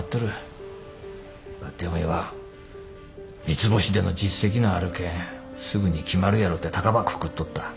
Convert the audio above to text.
ばってんおいは三ツ星での実績のあるけんすぐに決まるやろうって高ばくくっとった。